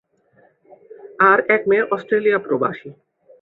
আর এক মেয়ে অস্ট্রেলিয়া প্রবাসী।